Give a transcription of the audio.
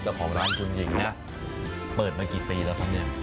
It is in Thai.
เจ้าของร้านคุณหญิงนะเปิดมากี่ปีแล้วครับเนี่ย